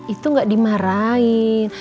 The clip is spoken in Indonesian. itu gak dimarahin